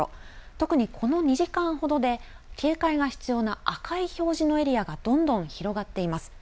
特にこの２時間ほどで警戒が必要な赤い表示のエリアがどんどん広がっています。